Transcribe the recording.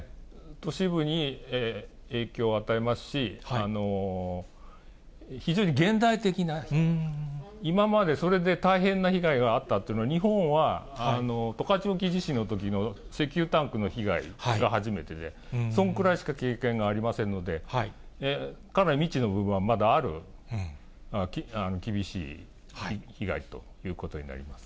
都市部に影響を与えますし、非常に現代的な被害、今までそれで大変な被害があったというのは、日本は十勝沖地震のときの石油タンクの被害が初めてで、そのくらいしか経験がありませんので、かなり未知の部分はまだある、厳しい被害ということになります。